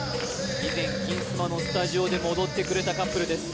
以前金スマのスタジオでも踊ってくれたカップルです